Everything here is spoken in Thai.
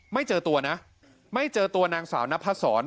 ไม่เจอตัวนะไม่เจอตัวนางสาวนพศร